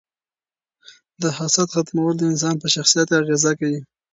د حسد ختمول د انسان په شخصیت اغیزه کوي.